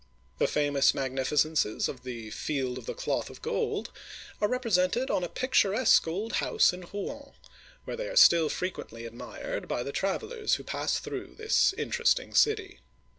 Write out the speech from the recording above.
The famous magnificences of the " Field of the Cloth of Gold are represented on a picturesque old house in Rouen, where they are still frequently admired by the travelers who pass through this interesting city.